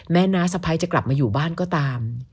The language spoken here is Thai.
น้าสะพ้ายจะกลับมาอยู่บ้านก็ตาม